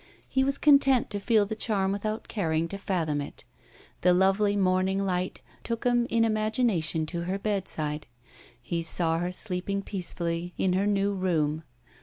He was content to feel the charm without caring to fathom it. The lovely morning light took him in imagination to her bedside; he saw here sleeping peacefully in her new room.